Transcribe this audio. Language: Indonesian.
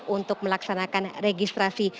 untuk melaksanakan registrasi